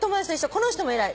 この人も偉い。